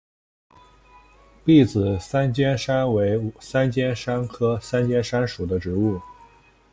篦子三尖杉为三尖杉科三尖杉属的植物。